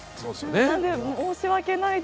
なので申し訳ないです